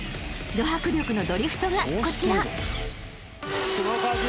［ど迫力のドリフトがこちら］